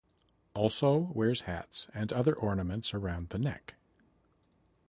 Also wears hats and other ornaments around the neck.